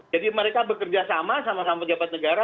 jadi mereka bekerja sama sama sama pejabat negara